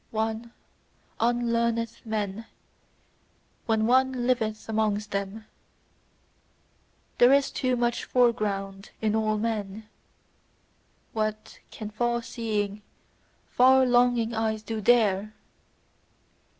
One unlearneth men when one liveth amongst them: there is too much foreground in all men what can far seeing, far longing eyes do THERE!